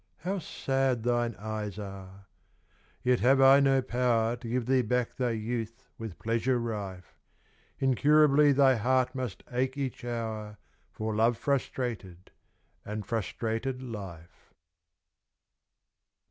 How sad thine eyes are! Yet have I no power To give thee back thy youth with pleasure rife; Incurably thy heart must ache each hour For love frustrated and frustrated life.